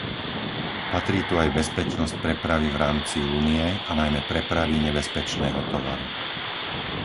Patrí tu aj bezpečnosť prepravy v rámci Únie, a najmä prepravy nebezpečného tovaru.